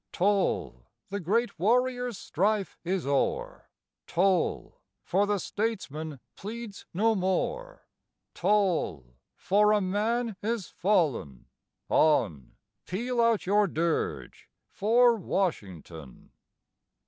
Toll, the great Warrior's strife is o'er; Toll, for the Statesman pleads no more; Toll for a Man is fallen on, Peal out your dirge for Washington.